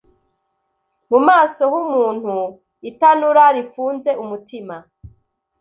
Mu maso humuntu itanura rifunze Umutima